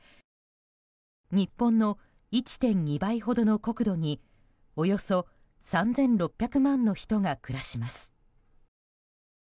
日本の１．２倍ほどの国土におよそ３６００万の人が暮らします。